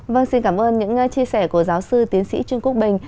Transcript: vâng xin cảm ơn những chia sẻ của giáo sư tiến sĩ trương quốc bình